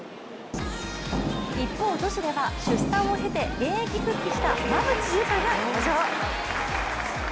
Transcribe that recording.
一方、女子では出産を経て現役復帰した馬淵優佳が登場。